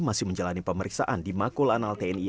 masih menjalani pemeriksaan di makul anal tni